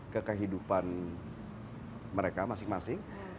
ke kehidupan mereka masing masing